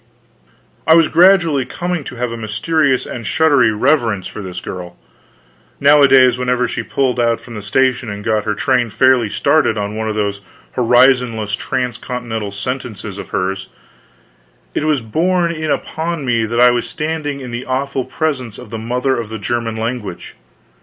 I was gradually coming to have a mysterious and shuddery reverence for this girl; nowadays whenever she pulled out from the station and got her train fairly started on one of those horizonless transcontinental sentences of hers, it was borne in upon me that I was standing in the awful presence of the Mother of the German Language.